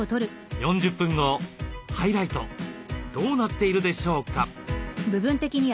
ハイライトどうなっているでしょうか？